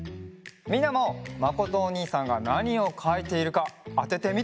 みんなもまことおにいさんがなにをかいているかあててみてね！